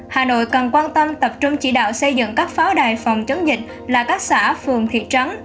hà nội cần quan tâm tập trung chỉ đạo xây dựng các pháo đài phòng chống dịch là các xã phường thị trắng